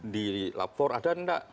di lapor ada atau tidak